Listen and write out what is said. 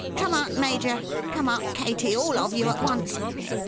Come out, Major! Come out, Katie all of you at once!